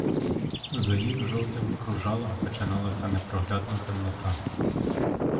За їх жовтим кружалом починалася непроглядна темнота.